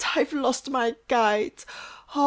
I've lost my kite! Oh!